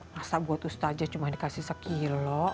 masa buat ustazah cuma dikasih sekilo